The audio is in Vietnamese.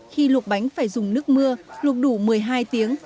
khi luộc bánh phải dùng nước mưa lục đủ một mươi hai tiếng